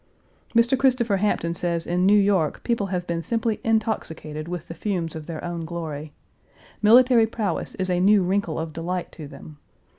Mr. Christopher Hampton says in New York people have been simply intoxicated with the fumes of their own glory. Military prowess is a new wrinkle of delight to them.